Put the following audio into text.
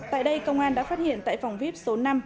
tại đây công an đã phát hiện tại phòng vip số năm